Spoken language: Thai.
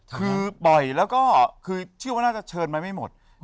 คือปล่อยแล้วก็คือเชื่อว่าน่าจะเชิญมาไม่หมด